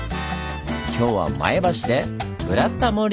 今日は前橋で「ブラタモリ」！